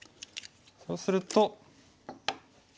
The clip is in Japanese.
そうすると。